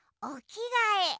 おきがえ？